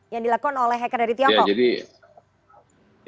yang dilakukan oleh hacker dari tiongkok